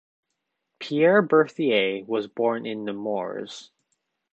Pierre Berthier was born in Nemours.